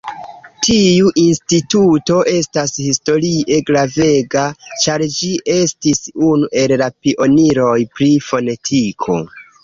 Tiu instituto estas historie gravega, ĉar ĝi estis unu el la pioniroj pri fonetiko.